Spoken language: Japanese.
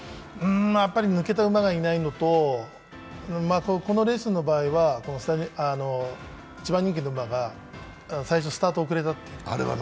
やっぱり抜けた馬がいないのと、このレースの場合は一番人気の馬が最初、スタート遅れたという。